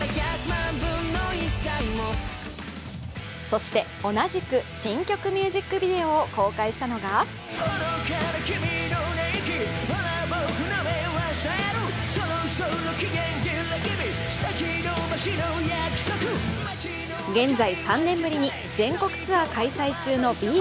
そして、同じく新曲ミュージックビデオを公開したのが現在３年ぶりに全国ツアー開催中のＢ’ｚ。